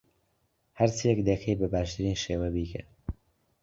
هەرچییەک دەکەیت، بە باشترین شێوە بیکە.